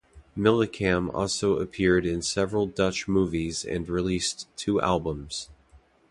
Millecam also appeared in several Dutch movies and released two albums.